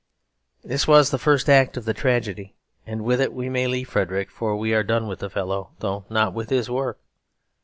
This was the first act of the tragedy, and with it we may leave Frederick, for we are done with the fellow though not with his work.